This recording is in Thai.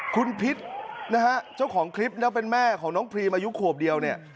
คุณพิษนะฮะเจ้าของคลิปนะเป็นแม่ของน้องพรีมอายุขวบเดียวเนี่ย